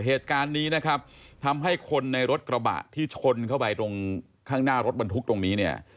เหตุการณ์นี้นะครับทำให้คนในรถกระบะที่ชนเข้าไปตรงข้างหน้ารถบรรทุกตรงนี้เนี่ย